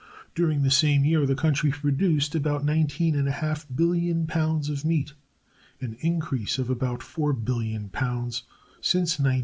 During the same year the country produced about nineteen and a half billion pounds of meat: an increase of about four billion pounds since 1914.